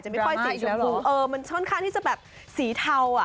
จะไม่ค่อยติดชมพูมันค่อนข้างที่จะแบบสีเทาอะ